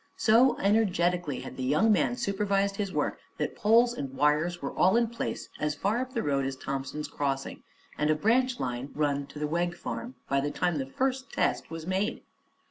So energetically had the young man supervised his work that poles and wires were all in place as far up the road as Thompson's Crossing and a branch line run to the Wegg Farm, by the time the first test was made.